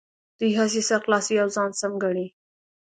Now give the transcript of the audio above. دوی هسې سر خلاصوي او ځان سم ګڼي.